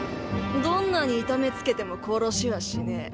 どんなに痛めつけても殺しはしねえ。